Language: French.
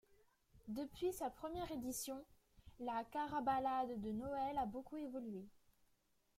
Depuis sa première édition, la Carabalade de Noël a beaucoup évolué.